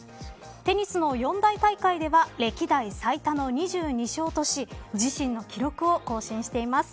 テニスの四大大会では歴代最多の２２勝とし自身の記録を更新しています。